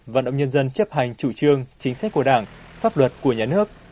vận động nhân dân chấp hành chủ trương chính sách của đảng pháp luật của nhà nước